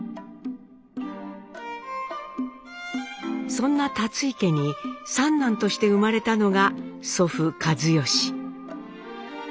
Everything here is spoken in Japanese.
そんな立井家に三男として生まれたのが祖父一嚴。